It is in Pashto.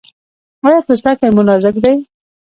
ایا پوستکی مو نازک دی؟